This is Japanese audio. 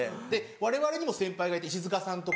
われわれにも先輩がいて石塚さんとか。